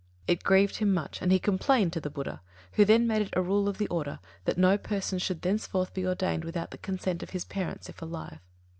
It grieved him much and he complained to the Buddha, who then made it a rule of the Order that no person should thenceforth be ordained without the consent of his parents if alive.